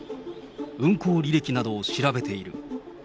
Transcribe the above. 運行履歴などを調べている。